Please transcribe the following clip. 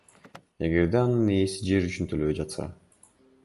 эгерде анын ээси жер үчүн төлөбөй жатса.